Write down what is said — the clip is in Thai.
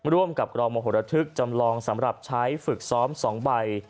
ร่วมกับกรองมโหระทึกจำลองสำหรับใช้ฝึกซ้อม๒ใบ